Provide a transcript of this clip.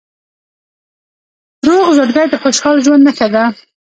روغ زړګی د خوشحال ژوند نښه ده.